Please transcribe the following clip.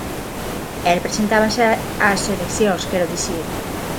El presentábase ás eleccións, quero dicir.